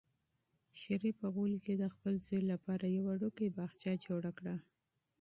شریف په انګړ کې د خپل زوی لپاره یو وړوکی باغچه جوړه کړه.